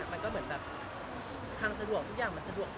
มันก็เหมือนแบบทางสะดวกทุกอย่างมันสะดวก